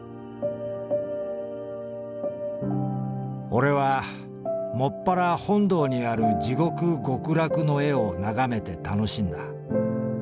「オレはもっぱら本堂にある地獄極楽の絵をながめてたのしんだ。